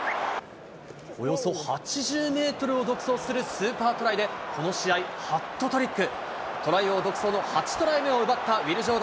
およそ８０メートルを独走するスーパートライで、この試合、ハットトリック。